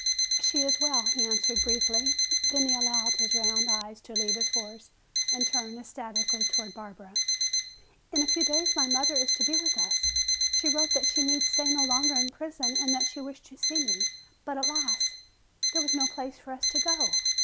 "She is well," he answered briefly. Then he allowed his round eyes to leave his horse and turn ecstatically toward Barbara. "In a few days my mother is to be with us. She wrote that she need stay no longer in prison and that she wished to see me, but alas, there was no place for us to go!